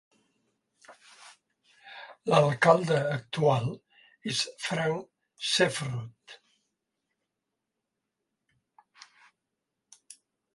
L'alcalde actual és Frank Seffrood.